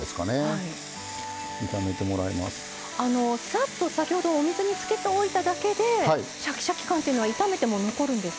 さっと先ほどお水につけておいただけでシャキシャキ感っていうのは炒めても残るんですか？